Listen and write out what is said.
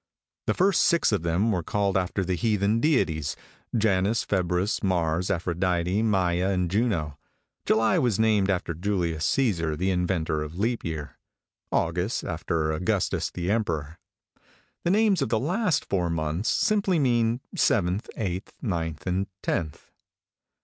"The first six of them were called after the heathen deities, Janus, Februus, Mars, Aphrodite, Maia, and Juno; July was named after Julius Cæsar, the inventor of leap year; August after Augustus the Emperor. The names of the last four months simply mean seventh, eighth, ninth, and tenth."